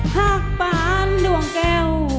หากปานดวงแก้ว